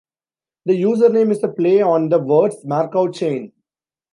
The username is a play on the words "Markov chain".